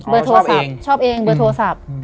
อ๋อชอบเองชอบเองเบอร์โทรศัพท์